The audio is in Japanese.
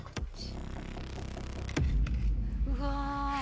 うわ。